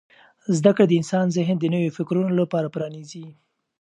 زده کړه د انسان ذهن د نویو فکرونو لپاره پرانیزي.